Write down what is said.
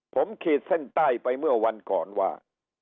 ผมขีดเส้นใต้ไปเมื่อวันก่อนว่า